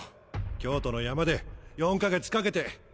京都の山で４か月かけて。